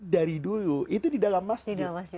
dari dulu itu di dalam masjid